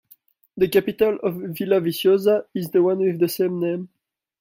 The capital of Villaviciosa is the one with the same name.